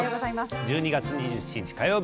１２月２７日火曜日